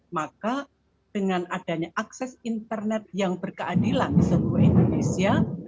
maka dengan adanya akses internet yang berkeadilan di seluruh indonesia